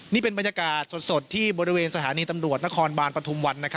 นี่เป็นบรรยากาศสดที่บริเวณสถานีตำรวจนครบานปฐุมวัน